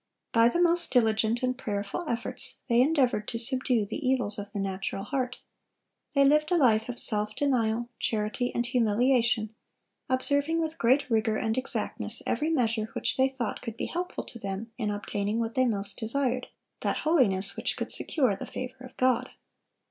By the most diligent and prayerful efforts they endeavored to subdue the evils of the natural heart. They lived a life of self denial, charity, and humiliation, observing with great rigor and exactness every measure which they thought could be helpful to them in obtaining what they most desired,—that holiness which could secure the favor of God.